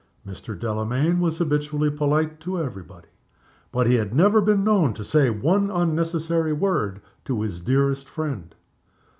Mr. Delamayn was habitually polite to every body but he had never been known to say one unnecessary word to his dearest friend.